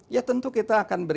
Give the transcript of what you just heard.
ya tentu kita akan